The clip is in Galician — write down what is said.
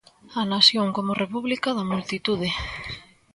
A Nación como República da Multitude.